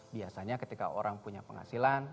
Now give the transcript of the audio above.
biasanya ketika orang punya penghasilan